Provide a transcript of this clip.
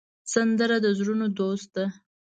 سندره د زړونو دوست ده